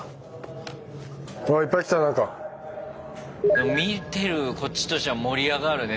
でも見てるこっちとしては盛り上がるね